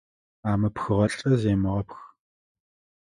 Амыпхыгъэ лӏы земыгъэпх.